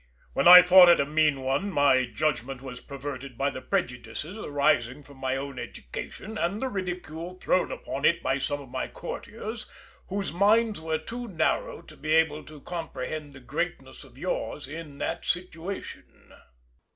When I thought it a mean one, my judgment was perverted by the prejudices arising from my own education and the ridicule thrown upon it by some of my courtiers, whose minds were too narrow to be able to comprehend the greatness of yours in that situation.